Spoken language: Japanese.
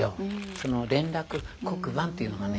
その連絡黒板というのがね